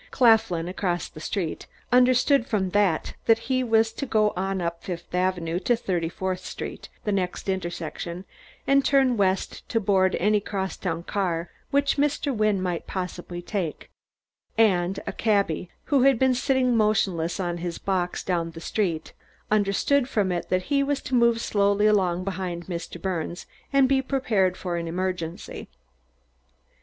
Claflin, across the street, understood from that that he was to go on up Fifth Avenue to Thirty fourth Street, the next intersection, and turn west to board any crosstown car which Mr. Wynne might possibly take; and a cabby, who had been sitting motionless on his box down the street, understood from it that he was to move slowly along behind Mr. Birnes, and be prepared for an emergency.